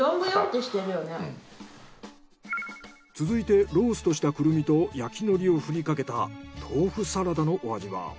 続いてローストしたクルミと焼き海苔を振りかけた豆腐サラダのお味は？